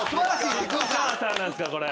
菊川さんなんですからこれ。